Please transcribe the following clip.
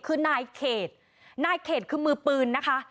คือหน้าอีกเขตหน้าอีกเขตคือมือปืนนะคะ